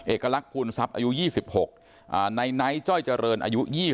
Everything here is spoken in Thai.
เอกลักษณ์ภูลทรัพย์อายุ๒๖ในไนท์จ้อยเจริญอายุ๒๐